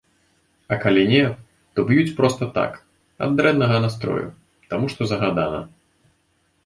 А калі не, то б'юць проста так, ад дрэннага настрою, таму што загадана.